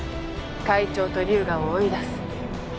会長と龍河を追い出す。